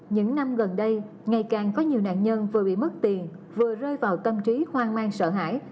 những năm gần đây ngày càng có nhiều nạn nhân vừa bị mất tiền vừa rơi vào tâm trí hoang mang sợ hãi